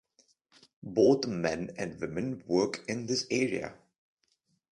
Both men and women work in this area.